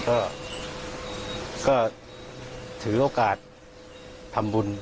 ก็ถือโอกาสทำบุญ